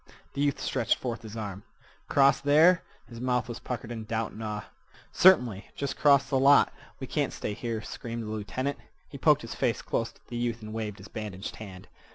The youth stretched forth his arm. "Cross there?" His mouth was puckered in doubt and awe. "Certainly. Jest 'cross th' lot! We can't stay here," screamed the lieutenant. He poked his face close to the youth and waved his bandaged hand.